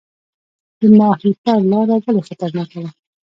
د ماهیپر لاره ولې خطرناکه ده؟